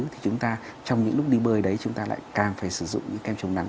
thì chúng ta trong những lúc đi bơi đấy chúng ta lại càng phải sử dụng những kem chống nắng